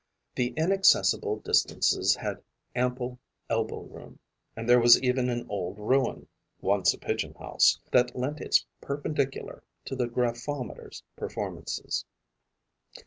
The inaccessible distances had ample elbow room; and there was even an old ruin, once a pigeon house, that lent its perpendicular to the graphometer's performances.